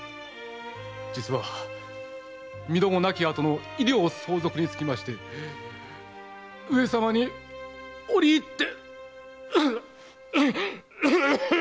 実は身共亡き後の遺領相続につきまして上様に折り入って。